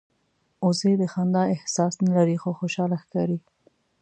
وزې د خندا احساس نه لري خو خوشاله ښکاري